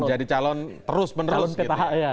menjadi calon terus menerus gitu ya